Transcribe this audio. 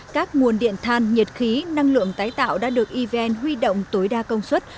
các nguồn điện than nhiệt khí năng lượng tái tạo đã được evn huy động tối đa công suất